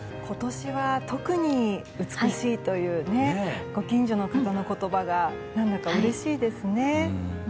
今年は特に美しいというご近所の方の言葉が何だかうれしいですね。